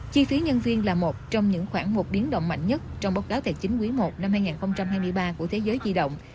chi phí nhân viên là một trong những khoảng một biến động mạnh nhất trong báo cáo tài chính quý i năm hai nghìn hai mươi ba của thế giới di động